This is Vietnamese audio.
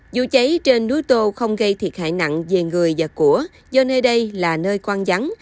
dù cháy trên núi tô không gây thiệt hại nặng về người và của do nơi đây là nơi quan giắng